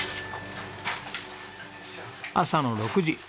朝の６時。